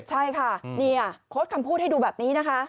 ใช่ค่ะนี่โค้ดคำพูดให้ดูแบบนี้นะคะ